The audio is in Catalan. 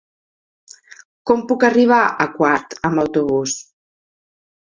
Com puc arribar a Quart amb autobús?